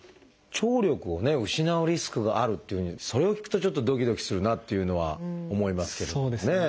聴力を失うリスクがあるっていうふうにそれを聞くとちょっとドキドキするなあっていうのは思いますけどもね。